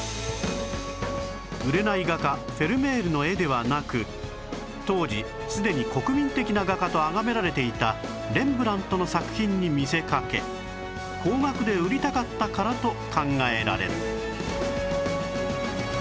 売れない画家フェルメールの絵ではなく当時すでに国民的な画家とあがめられていたレンブラントの作品に見せかけ高額で売りたかったからと考えられる